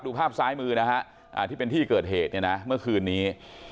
ดูภาพซ้ายมือที่เป็นที่เกิดเหตุเมื่อคืนนี้